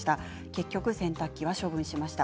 結局、洗濯機は処分しました。